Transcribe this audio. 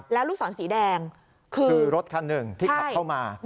แล้วลูกศรสีแดงคือรถคันหนึ่งที่ขับเข้ามา